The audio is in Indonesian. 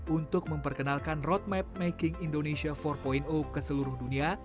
untuk memperkenalkan roadmap making indonesia empat ke seluruh dunia